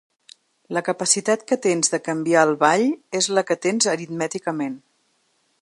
La capacitat que tens de canviar el ball és la que tens aritmèticament.